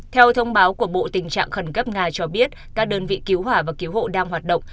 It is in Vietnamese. theo thông báo của bộ tình trạng khẩn cấp nga cho biết các đơn vị cứu hỏa và cứu hộ đang hoạt động